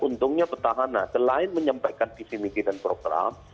untungnya petahana selain menyampaikan visi miskinan program